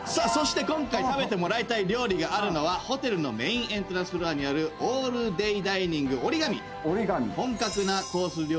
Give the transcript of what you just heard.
今回食べてもらいたい料理があるのはホテルのメインエントランスフロアにあるオールデイダイニング「ＯＲＩＧＡＭＩ」本格なコース